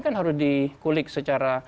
kan harus di kulik secara